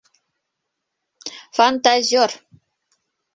Фантазер!